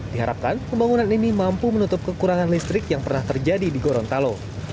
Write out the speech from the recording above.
diharapkan pembangunan ini mampu menutup kekurangan listrik yang pernah terjadi di gorontalo